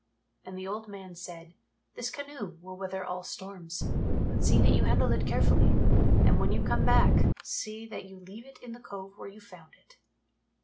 And the old man said, "This canoe will weather all storms. But see that you handle it carefully, and when you come back see that you leave it in the cove where you found it."